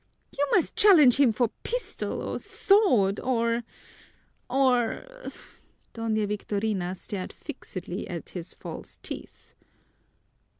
"You must challenge him for pistol or sword, or or " Doña Victorina stared fixedly at his false teeth.